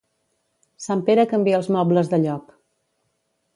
Sant Pere canvia els mobles de lloc.